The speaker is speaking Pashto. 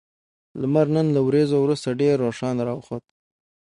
لمر نن له وريځو وروسته ډېر روښانه راوخوت